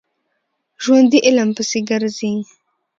ژوندي علم پسې ګرځي